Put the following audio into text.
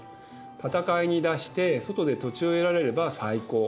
戦いに出して外で土地を得られれば最高。